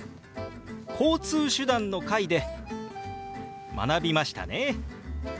「交通手段」の回で学びましたね。